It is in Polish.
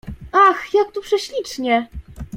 "Ach, jak tu prześlicznie!"